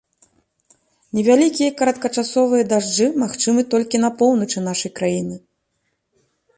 Невялікія кароткачасовыя дажджы магчымыя толькі на поўначы нашай краіны.